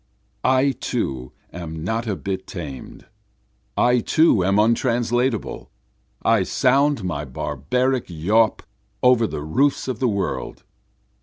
I too am not a bit tamed, I too am untranslatable, I sound my barbaric yawp over the roofs of the world.